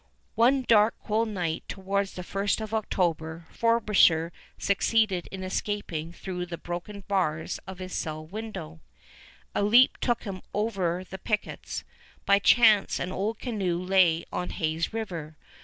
One dark cold night towards the first of October Frobisher succeeded in escaping through the broken bars of his cell window. A leap took him over the pickets. By chance an old canoe lay on Hayes River.